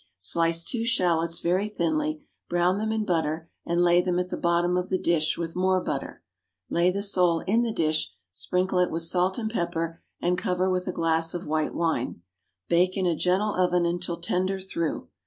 Slice two shallots very thinly, brown them in butter, and lay at the bottom of the dish with more butter. Lay the sole in the dish, sprinkle it with salt and pepper, and cover with a glass of white wine. Bake in a gentle oven until tender through.